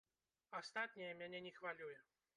Астатняе мяне не хвалюе.